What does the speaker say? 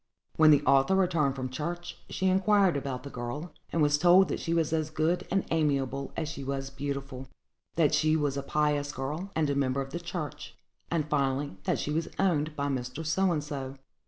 When the author returned from church, she inquired about the girl, and was told that she was as good and amiable as she was beautiful; that she was a pious girl, and a member of the church; and, finally, that she was owned by Mr. So and so.